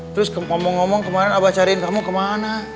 terus ngomong ngomong kemarin abah cariin kamu kemana